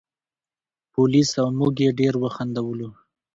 پولیس او موږ یې ډېر وخندولو.